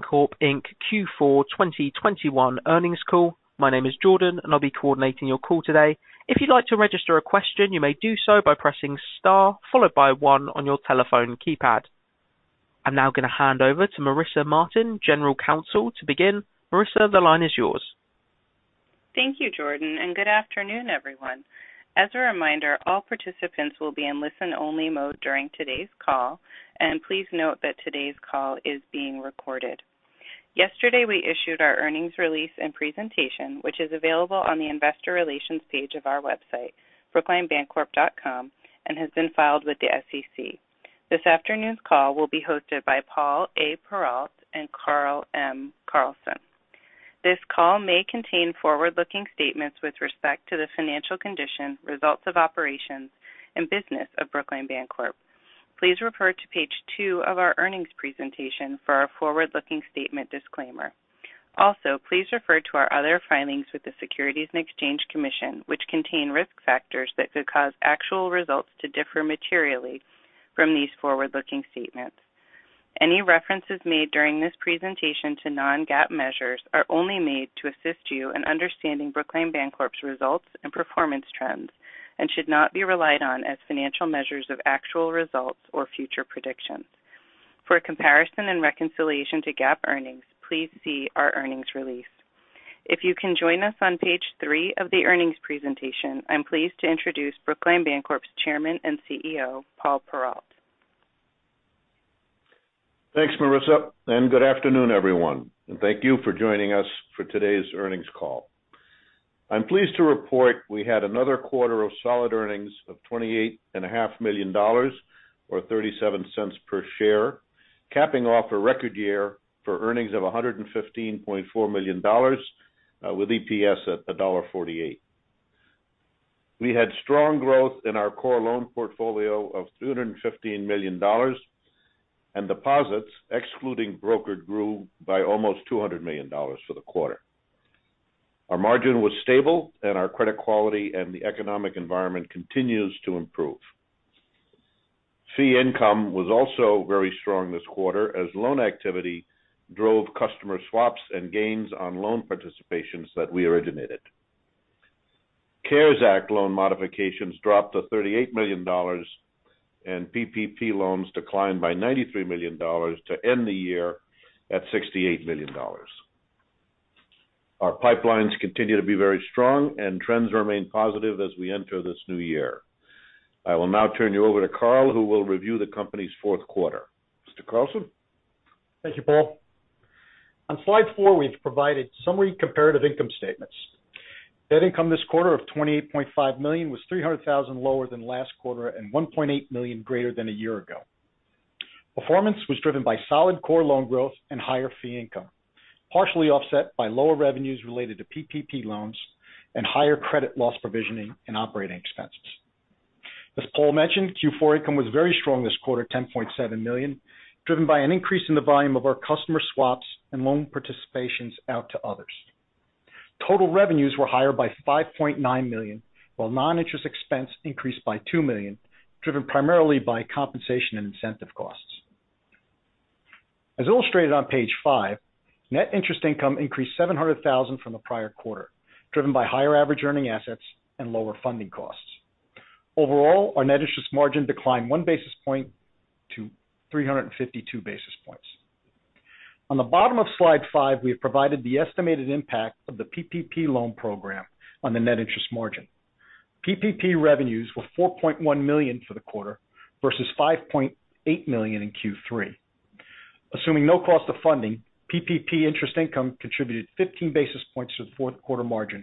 Brookline Bancorp, Inc. Q4 2021 earnings call. My name is Jordan, and I'll be coordinating your call today. If you'd like to register a question, you may do so by pressing star, followed by one on your telephone keypad. I'm now gonna hand over to Marissa Martin, General Counsel, to begin. Marissa, the line is yours. Thank you, Jordan, and good afternoon, everyone. As a reminder, all participants will be in listen-only mode during today's call, and please note that today's call is being recorded. Yesterday, we issued our earnings release and presentation, which is available on the investor relations page of our website, brooklinebancorp.com, and has been filed with the SEC. This afternoon's call will be hosted by Paul A. Perrault and Carl M. Carlson. This call may contain forward-looking statements with respect to the financial condition, results of operations, and business of Brookline Bancorp. Please refer to page 2 of our earnings presentation for our forward-looking statement disclaimer. Also, please refer to our other filings with the Securities and Exchange Commission, which contain risk factors that could cause actual results to differ materially from these forward-looking statements. Any references made during this presentation to non-GAAP measures are only made to assist you in understanding Brookline Bancorp's results and performance trends and should not be relied on as financial measures of actual results or future predictions. For a comparison and reconciliation to GAAP earnings, please see our earnings release. If you can join us on page 3 of the earnings presentation, I'm pleased to introduce Brookline Bancorp's Chairman and CEO, Paul Perrault. Thanks, Marissa, and good afternoon, everyone. Thank you for joining us for today's earnings call. I'm pleased to report we had another quarter of solid earnings of $28.5 million or $0.37 per share, capping off a record year for earnings of $115.4 million, with EPS at $1.48. We had strong growth in our core loan portfolio of $315 million, and deposits, excluding brokered grew by almost $200 million for the quarter. Our margin was stable and our credit quality and the economic environment continues to improve. Fee income was also very strong this quarter as loan activity drove customer swaps and gains on loan participations that we originated. CARES Act loan modifications dropped to $38 million, and PPP loans declined by $93 million to end the year at $68 million. Our pipelines continue to be very strong and trends remain positive as we enter this new year. I will now turn you over to Carl, who will review the company's fourth quarter. Mr. Carlson. Thank you, Paul. On slide four, we've provided summary comparative income statements. Net income this quarter of $28.5 million was $300,000 lower than last quarter and $1.8 million greater than a year ago. Performance was driven by solid core loan growth and higher fee income, partially offset by lower revenues related to PPP loans and higher credit loss provisioning and operating expenses. As Paul mentioned, Q4 income was very strong this quarter, $10.7 million, driven by an increase in the volume of our customer swaps and loan participations out to others. Total revenues were higher by $5.9 million, while non-interest expense increased by $2 million, driven primarily by compensation and incentive costs. As illustrated on page 5, net interest income increased $700,000 from the prior quarter, driven by higher average earning assets and lower funding costs. Overall, our net interest margin declined 1 basis point to 352 basis points. On the bottom of slide 5, we have provided the estimated impact of the PPP loan program on the net interest margin. PPP revenues were $4.1 million for the quarter versus $5.8 million in Q3. Assuming no cost of funding, PPP interest income contributed 15 basis points to the fourth quarter margin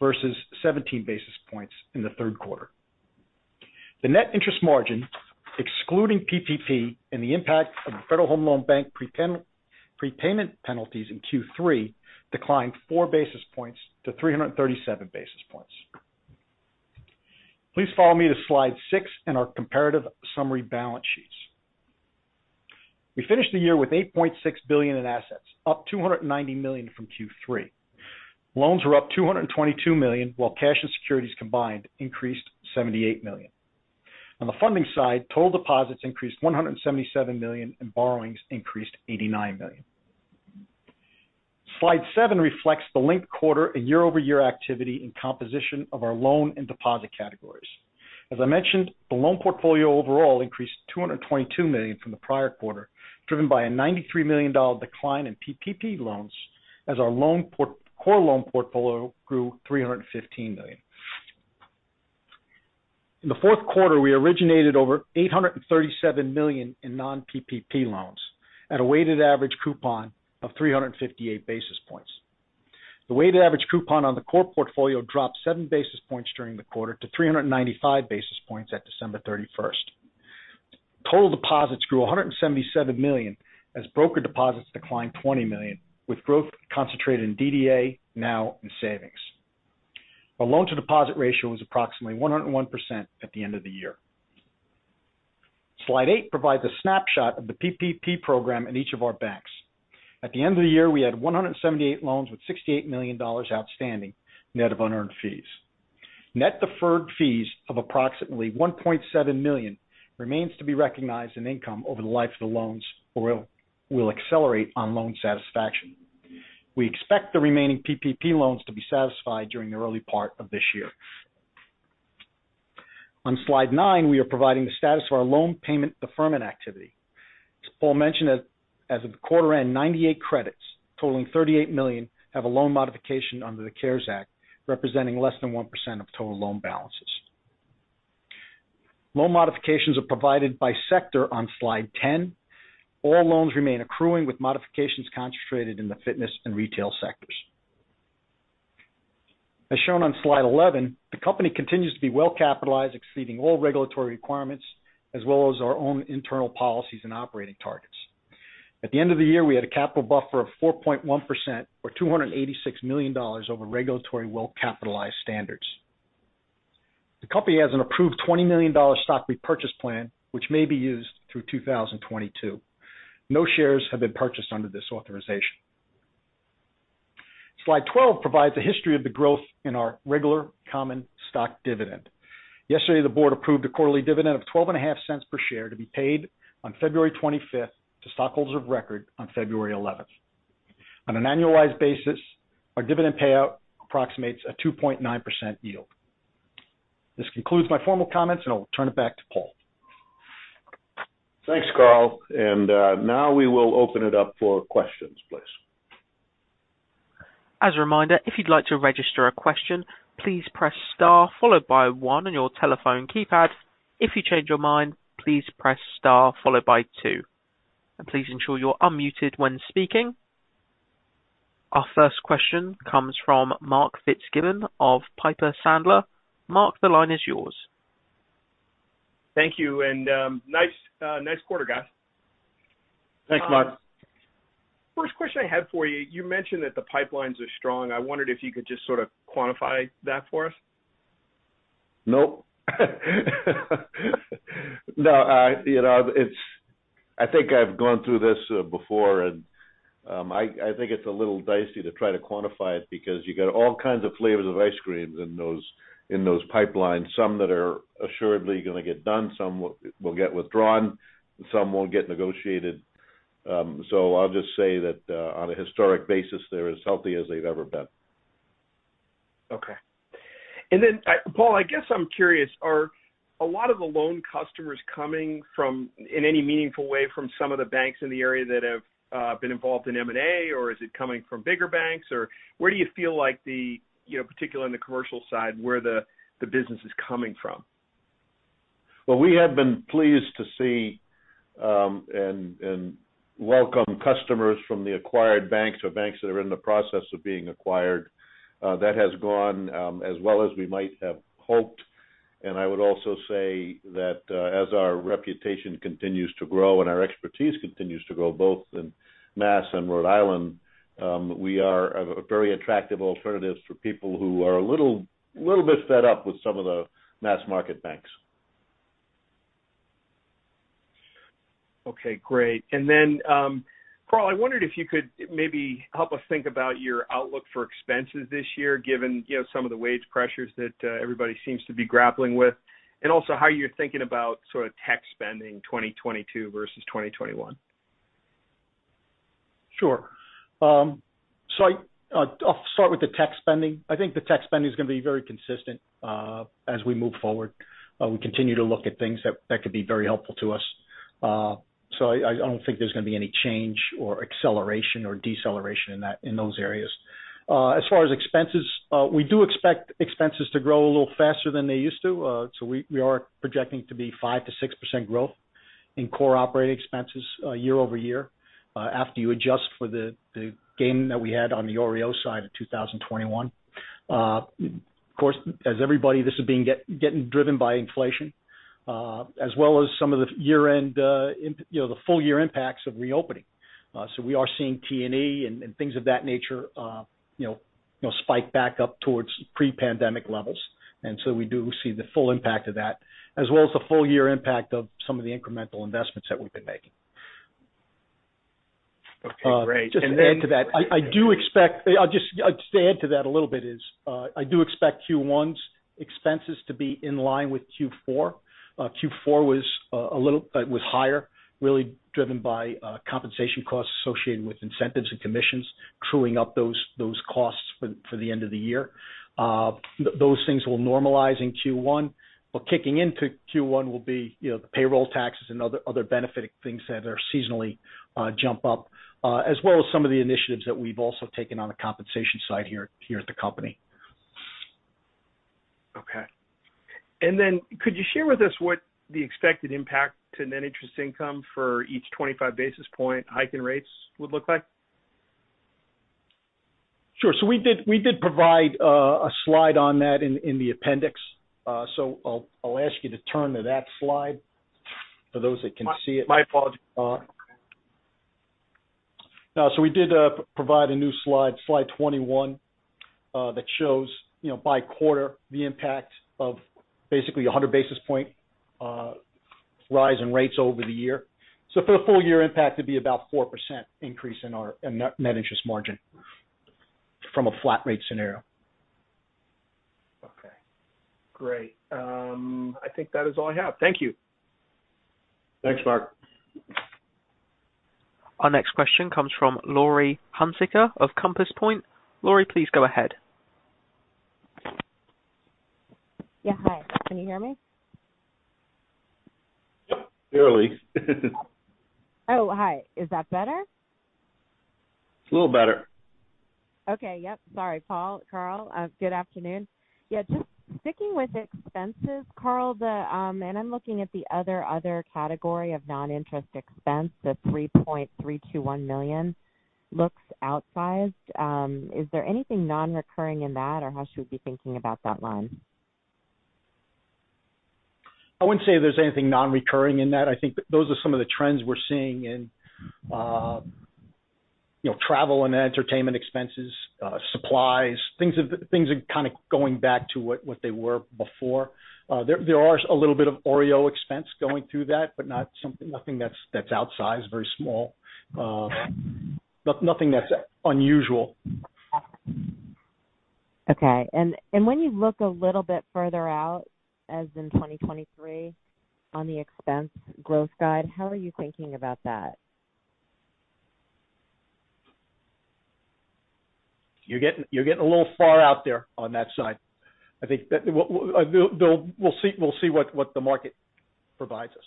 versus 17 basis points in the third quarter. The net interest margin, excluding PPP and the impact of the Federal Home Loan Bank prepayment penalties in Q3 declined 4 basis points to 337 basis points. Please follow me to slide 6 in our comparative summary balance sheets. We finished the year with $8.6 billion in assets, up $290 million from Q3. Loans were up $222 million, while cash and securities combined increased $78 million. On the funding side, total deposits increased $177 million, and borrowings increased $89 million. Slide 7 reflects the linked quarter and year-over-year activity and composition of our loan and deposit categories. As I mentioned, the loan portfolio overall increased $222 million from the prior quarter, driven by a $93 million decline in PPP loans as our core loan portfolio grew $315 million. In the fourth quarter, we originated over $837 million in non-PPP loans at a weighted average coupon of 358 basis points. The weighted average coupon on the core portfolio dropped 7 basis points during the quarter to 395 basis points at December 31. Total deposits grew $177 million as broker deposits declined $20 million, with growth concentrated in DDA, NOW and savings. Our loan-to-deposit ratio was approximately 101% at the end of the year. Slide 8 provides a snapshot of the PPP program in each of our banks. At the end of the year, we had 178 loans with $68 million outstanding, net of unearned fees. Net deferred fees of approximately $1.7 million remains to be recognized in income over the life of the loans or will accelerate on loan satisfaction. We expect the remaining PPP loans to be satisfied during the early part of this year. On slide 9, we are providing the status of our loan payment deferment activity. As Paul mentioned, as of the quarter end, 98 credits totaling $38 million have a loan modification under the CARES Act, representing less than 1% of total loan balances. Loan modifications are provided by sector on slide 10. All loans remain accruing with modifications concentrated in the fitness and retail sectors. As shown on Slide 11, the company continues to be well capitalized, exceeding all regulatory requirements as well as our own internal policies and operating targets. At the end of the year, we had a capital buffer of 4.1% or $286 million over regulatory well-capitalized standards. The company has an approved $20 million stock repurchase plan, which may be used through 2022. No shares have been purchased under this authorization. Slide 12 provides a history of the growth in our regular common stock dividend. Yesterday, the board approved a quarterly dividend of $0.125 per share to be paid on February 25th to stockholders of record on February 11th. On an annualized basis, our dividend payout approximates a 2.9% yield. This concludes my formal comments, and I'll turn it back to Paul. Thanks, Carl. Now we will open it up for questions, please. As a reminder, if you'd like to register a question, please press star followed by one on your telephone keypad. If you change your mind, please press star followed by two, and please ensure you're unmuted when speaking. Our first question comes from Mark Fitzgibbon of Piper Sandler. Mark, the line is yours. Thank you, and, nice quarter, guys. Thanks, Mark. First question I had for you: you mentioned that the pipelines are strong. I wondered if you could just sort of quantify that for us. Nope. No, you know, I think I've gone through this before, and I think it's a little dicey to try to quantify it because you got all kinds of flavors of ice creams in those pipelines, some that are assuredly gonna get done, some will get withdrawn, some won't get negotiated. I'll just say that on a historic basis, they're as healthy as they've ever been. Okay. Paul, I guess I'm curious. Are a lot of the loan customers coming from, in any meaningful way, from some of the banks in the area that have been involved in M&A, or is it coming from bigger banks? Where do you feel like the, you know, particularly on the commercial side, where the business is coming from? Well, we have been pleased to see, and welcome customers from the acquired banks or banks that are in the process of being acquired. That has gone, as well as we might have hoped. I would also say that, as our reputation continues to grow and our expertise continues to grow both in Mass and Rhode Island, we are a very attractive alternatives for people who are a little bit fed up with some of the mass market banks. Okay, great. Carl, I wondered if you could maybe help us think about your outlook for expenses this year, given, you know, some of the wage pressures that everybody seems to be grappling with, and also how you're thinking about sort of tech spending 2022 versus 2021. Sure. I'll start with the tech spending. I think the tech spending is gonna be very consistent as we move forward. We continue to look at things that could be very helpful to us. I don't think there's gonna be any change or acceleration or deceleration in those areas. As far as expenses, we do expect expenses to grow a little faster than they used to. We are projecting 5%-6% growth in core operating expenses year-over-year, after you adjust for the gain that we had on the OREO side of 2021. Of course, as everybody, this is getting driven by inflation, as well as some of the year-end, you know, the full-year impacts of reopening. So we are seeing T&E and things of that nature, you know, spike back up towards pre-pandemic levels. We do see the full impact of that, as well as the full-year impact of some of the incremental investments that we've been making. Okay, great. Just to add to that a little bit, I do expect Q1's expenses to be in line with Q4. Q4 was a little higher, really driven by compensation costs associated with incentives and commissions, truing up those costs for the end of the year. Those things will normalize in Q1. Kicking into Q1 will be, you know, the payroll taxes and other benefiting things that seasonally jump up, as well as some of the initiatives that we've also taken on the compensation side here at the company. Okay. Could you share with us what the expected impact to net interest income for each 25 basis point hike in rates would look like? Sure. We did provide a slide on that in the appendix. I'll ask you to turn to that slide for those that can see it. My apologies. Now we did provide a new slide 21, that shows, you know, by quarter the impact of basically a 100 basis point rise in rates over the year. For the full year impact, it'd be about 4% increase in our net interest margin from a flat rate scenario. Okay, great. I think that is all I have. Thank you. Thanks, Mark. Our next question comes from Laurie Hunsicker of Compass Point. Laurie, please go ahead. Yeah. Hi, can you hear me? Yep. Clearly. Oh, hi. Is that better? It's a little better. Okay. Yep. Sorry, Paul. Carl, good afternoon. Yeah, just sticking with expenses, Carl, and I'm looking at the other category of non-interest expense. The $3.321 million looks outsized. Is there anything non-recurring in that, or how should we be thinking about that line? I wouldn't say there's anything non-recurring in that. I think those are some of the trends we're seeing in, you know, travel and entertainment expenses, supplies, things are kind of going back to what they were before. There are a little bit of OREO expense going through that, but nothing that's outsized, very small. But nothing that's unusual. Okay. When you look a little bit further out, as in 2023 on the expense growth guide, how are you thinking about that? You're getting a little far out there on that side. I think that we'll see what the market provides us.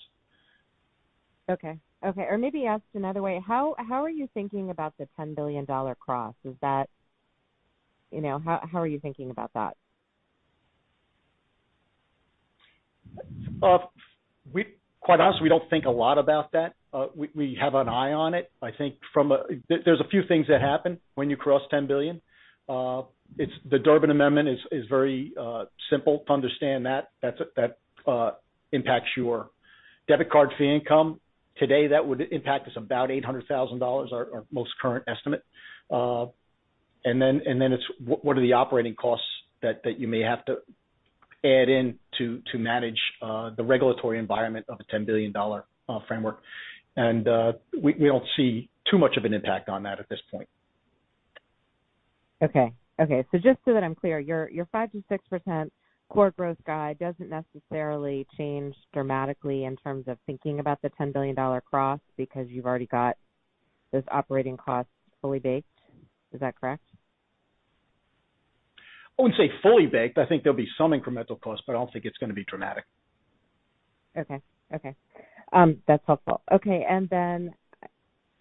Okay. Maybe asked another way, how are you thinking about the $10 billion cross? You know, how are you thinking about that? Quite honestly, we don't think a lot about that. We have an eye on it. I think there's a few things that happen when you cross $10 billion. It's the Durbin amendment is very simple to understand that. That impacts your debit card fee income. Today, that would impact us about $800,000, our most current estimate. And then it's what are the operating costs that you may have to add in to manage the regulatory environment of a $10 billion framework. We don't see too much of an impact on that at this point. Okay. Just so that I'm clear, your 5%-6% core growth guide doesn't necessarily change dramatically in terms of thinking about the $10 billion cross because you've already got those operating costs fully baked. Is that correct? I wouldn't say fully baked. I think there'll be some incremental costs, but I don't think it's going to be dramatic. Okay. That's helpful.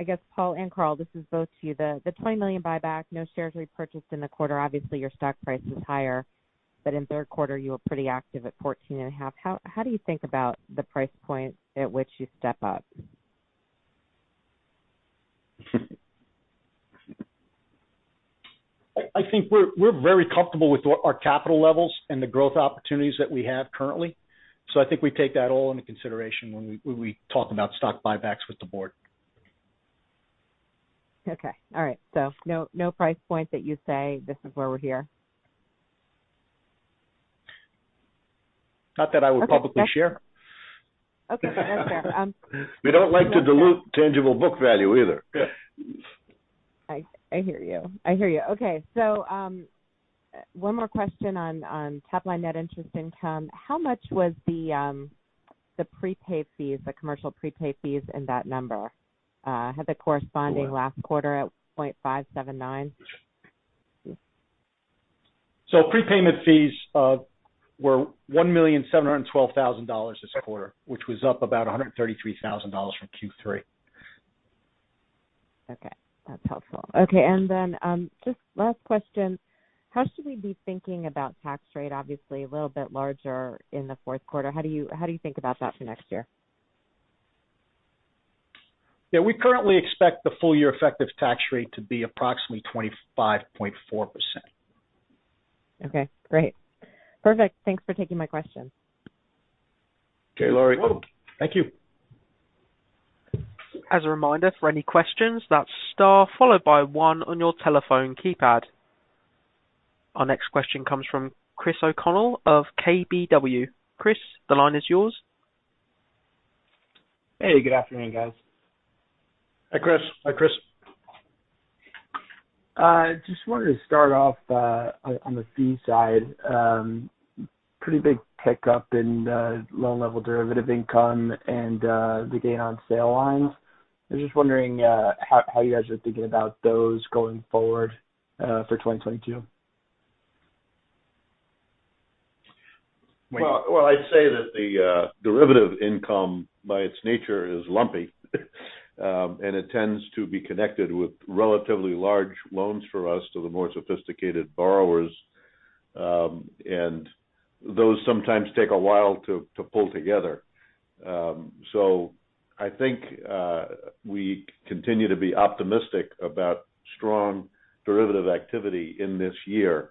I guess, Paul and Carl, this is both to you. The $20 million buyback, no shares repurchased in the quarter. Obviously, your stock price is higher, but in third quarter, you were pretty active at $14.50. How do you think about the price point at which you step up? I think we're very comfortable with our capital levels and the growth opportunities that we have currently. I think we take that all into consideration when we talk about stock buybacks with the board. Okay. All right. No, no price point that you say this is where we're here. Not that I would publicly share. Okay. Fair. We don't like to dilute tangible book value either. Yeah. I hear you. Okay. One more question on top line net interest income. How much was the prepaid fees, the commercial prepaid fees in that number, and the corresponding last quarter at 0.579? Prepayment fees were $1,712,000 this quarter, which was up about $133,000 from Q3. Okay. That's helpful. Okay. Just last question. How should we be thinking about tax rate? Obviously a little bit larger in the fourth quarter. How do you think about that for next year? Yeah. We currently expect the full year effective tax rate to be approximately 25.4%. Okay, great. Perfect. Thanks for taking my questions. Okay, Laurie. Thank you. As a reminder for any questions, that's star followed by one on your telephone keypad. Our next question comes from Christopher O'Connell of KBW. Chris, the line is yours. Hey, good afternoon, guys. Hi, Chris. Hi, Chris. Just wanted to start off on the fee side. Pretty big pickup in loan level derivative income and the gain on sale lines. I'm just wondering how you guys are thinking about those going forward for 2022. I'd say that the derivative income by its nature is lumpy. It tends to be connected with relatively large loans for us to the more sophisticated borrowers. Those sometimes take a while to pull together. I think we continue to be optimistic about strong derivative activity in this year,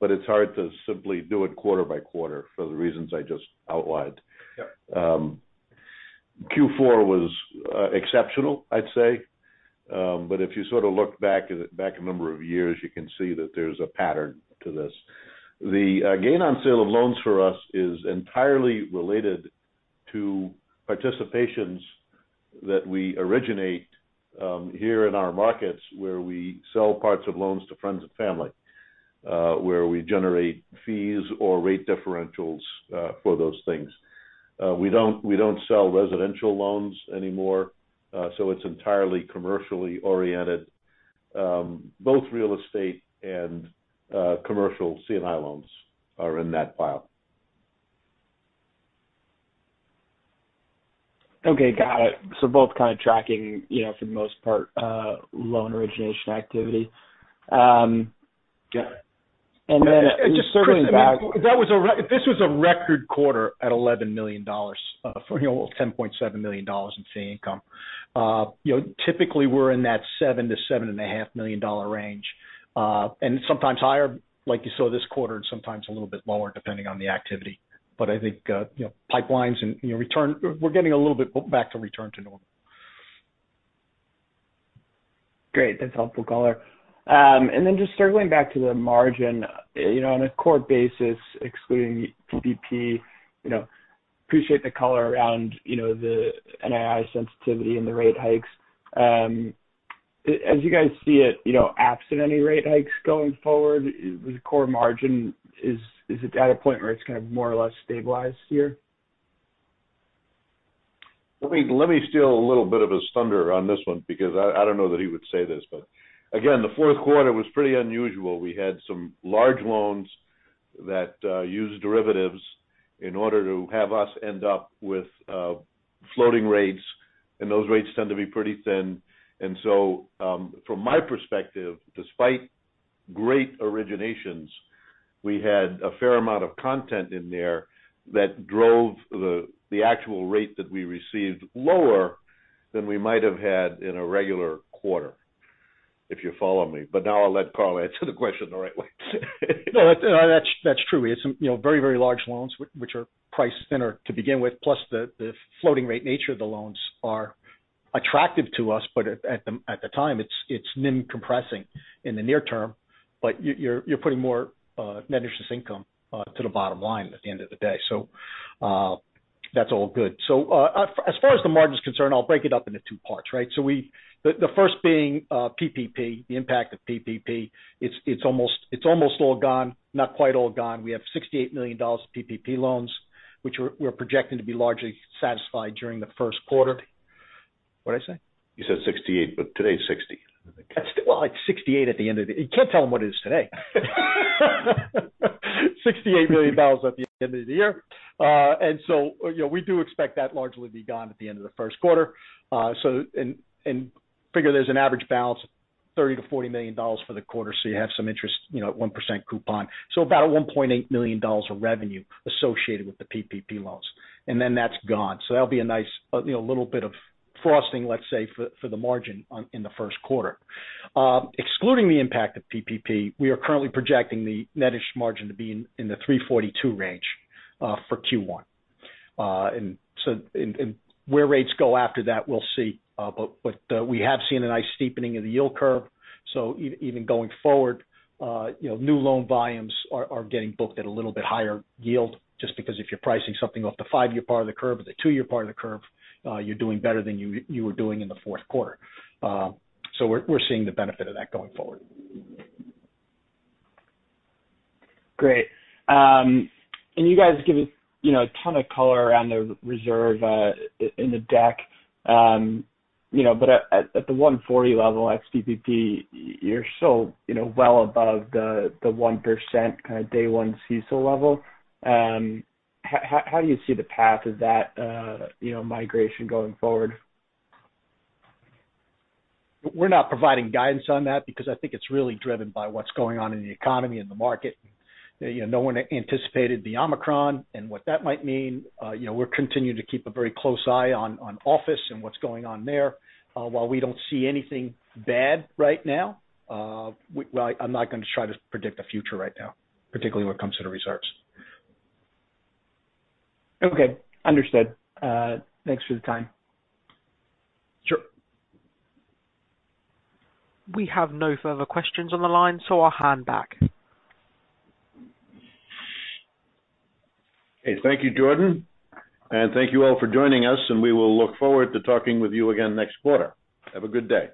but it's hard to simply do it quarter by quarter for the reasons I just outlined. Yeah. Q4 was exceptional, I'd say. If you sort of look back at it, back a number of years, you can see that there's a pattern to this. The gain on sale of loans for us is entirely related to participations that we originate here in our markets, where we sell parts of loans to friends and family, where we generate fees or rate differentials for those things. We don't sell residential loans anymore, so it's entirely commercially oriented. Both real estate and commercial C&I loans are in that file. Okay. Got it. Both kind of tracking, you know, for the most part, loan origination activity. Yeah. Just circling back- Just, Chris, I mean, this was a record quarter at $11 million, for, you know, $10.7 million in fee income. Typically, we're in that $7 million-$7.5 million range. Sometimes higher, like you saw this quarter, and sometimes a little bit lower, depending on the activity. I think, you know, pipelines and we're getting a little bit back to return to normal. Great. That's helpful color. Just circling back to the margin. You know, on a core basis, excluding PPP, you know, appreciate the color around, you know, the NII sensitivity and the rate hikes. As you guys see it, you know, absent any rate hikes going forward, the core margin, is it at a point where it's kind of more or less stabilized here? Let me steal a little bit of his thunder on this one because I don't know that he would say this. Again, the fourth quarter was pretty unusual. We had some large loans that use derivatives in order to have us end up with floating rates, and those rates tend to be pretty thin. From my perspective, despite great originations, we had a fair amount of content in there that drove the actual rate that we received lower than we might have had in a regular quarter, if you follow me. Now I'll let Carl answer the question the right way. No, that's true. It's you know very large loans which are priced thinner to begin with. Plus the floating rate nature of the loans are attractive to us, but at the time, it's NIM compressing in the near term. But you're putting more net interest income to the bottom line at the end of the day. That's all good. As far as the margin's concerned, I'll break it up into two parts, right? The first being PPP, the impact of PPP. It's almost all gone, not quite all gone. We have $68 million of PPP loans, which we're projecting to be largely satisfied during the first quarter. What'd I say? You said 68, but today's 60. It's 68 at the end of the year. You can't tell them what it is today. $68 million at the end of the year. You know, we do expect that largely to be gone at the end of the first quarter. Figure there's an average balance of $30 million-$40 million for the quarter, so you have some interest, you know, at 1% coupon. About $1.8 million of revenue associated with the PPP loans. Then that's gone. That'll be a nice, you know, little bit of frosting, let's say, for the margin in the first quarter. Excluding the impact of PPP, we are currently projecting the net interest margin to be in the 3.42 range for Q1. Where rates go after that, we'll see. We have seen a nice steepening of the yield curve. Even going forward, you know, new loan volumes are getting booked at a little bit higher yield, just because if you're pricing something off the five-year part of the curve or the two-year part of the curve, you're doing better than you were doing in the fourth quarter. We're seeing the benefit of that going forward. Great. You guys give a, you know, a ton of color around the reserve in the deck. You know, at the 1.40 level ex-PPP, you're so, you know, well above the 1% kind of day one CECL level. How do you see the path of that, you know, migration going forward? We're not providing guidance on that because I think it's really driven by what's going on in the economy and the market. You know, no one anticipated the Omicron and what that might mean. You know, we're continuing to keep a very close eye on office and what's going on there. While we don't see anything bad right now, well, I'm not gonna try to predict the future right now, particularly when it comes to the reserves. Okay. Understood. Thanks for the time. Sure. We have no further questions on the line, so I'll hand back. Okay. Thank you, Jordan. Thank you all for joining us, and we will look forward to talking with you again next quarter. Have a good day.